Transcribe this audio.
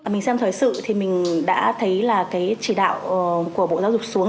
mình xem thời sự thì mình đã thấy là cái chỉ đạo của bộ giáo dục xuống